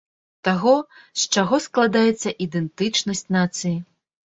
Таго, з чаго складаецца ідэнтычнасць нацыі.